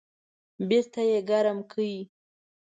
بیرته یې ګرم کړئ